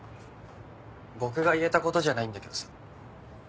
僕が言えたことじゃないんだけどさ。